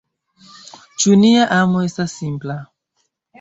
Ĉu nia amo estas simpla?